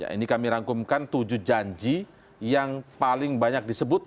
ini kami rangkumkan tujuh janji yang paling banyak disebut